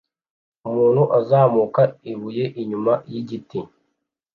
Umuntu uzamuka ibuye inyuma yigiti